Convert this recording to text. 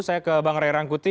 saya ke bang ray rangkuti